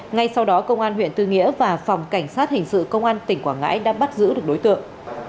ngay sau đó công an huyện tư nghĩa và phòng cảnh sát hình sự công an tỉnh quảng ngãi đã bắt giữ được đối tượng